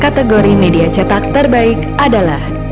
kategori media cetak terbaik adalah